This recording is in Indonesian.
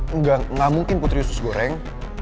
enggak enggak mungkin putri usus goreng